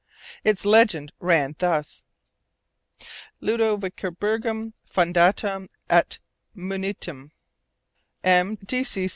Its legend ran thus: Ludovicoburgum Fundatum et Munitum, M.